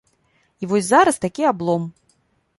І вось зараз такі аблом.